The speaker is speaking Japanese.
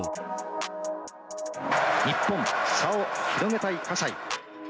日本差を広げたい西。